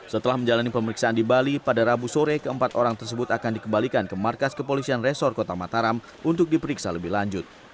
setelah menjalani pemeriksaan di bali pada rabu sore keempat orang tersebut akan dikembalikan ke markas kepolisian resor kota mataram untuk diperiksa lebih lanjut